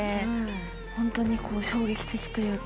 ホントに衝撃的というか。